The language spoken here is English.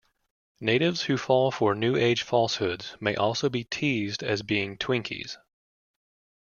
Natives who fall for New Age falsehoods may also be teased as being twinkies.